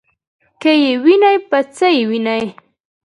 کې وینې په څه یې وینې ؟